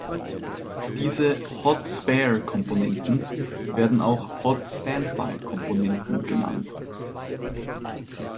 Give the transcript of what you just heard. Diese Hot-Spare-Komponenten werden auch Hot-Standby-Komponenten genannt.